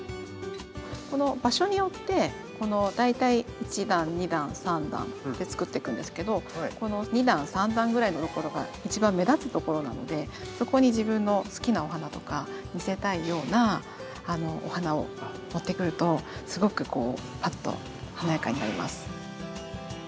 この場所によって大体１段２段３段って作っていくんですけどこの２段３段ぐらいのところが一番目立つところなのでそこに自分の好きなお花とか見せたいようなお花を持ってくるとすごくこうパッと華やかになります。